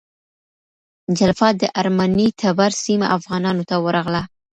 جلفا د ارمني ټبر سیمه افغانانو ته ورغله.